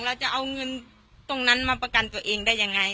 เราจะเอาเงินตรงนั้นมาประกันตัวเองได้ยังไง